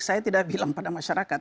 saya tidak bilang pada masyarakat